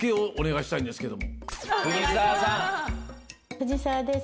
藤澤です。